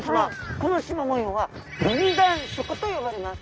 このしま模様は分断色と呼ばれます。